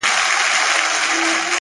دعا ، دعا ، دعا ،دعا كومه،